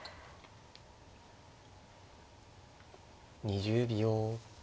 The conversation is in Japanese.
２０秒。